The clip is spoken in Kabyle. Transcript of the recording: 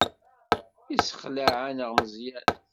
Yessexleɛ-aneɣ Meẓyan.